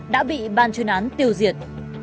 đã bị ban chuyên án tiêu diệt